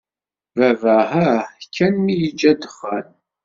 Baba hah kan mi yeǧǧa ddexxan.